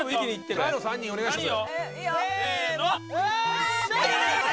前の３人お願いします。